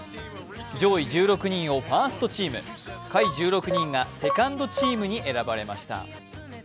上位１６人をファーストチーム、下位１６人がセカンドチームに選ばれました。